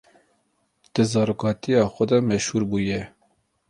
Di zaroktiya xwe de meşhûr bûye.